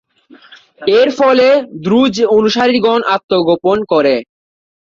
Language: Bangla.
এর ফলে দ্রুজ অনুসারীগণ আত্মগোপন করে।